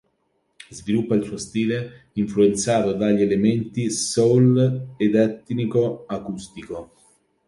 Sviluppa il suo stile, influenzato dagli elementi soul ed etnico-acustico.